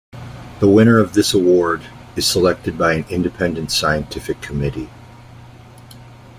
The winner of this award is selected by an independent scientific committee.